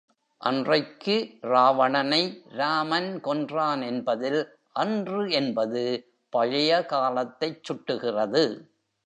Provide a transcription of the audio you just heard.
அன்றைக்கு ராவணனை ராமன் கொன்றான் என்பதில் அன்று என்பது பழைய காலத்தைச் சுட்டுகிறது.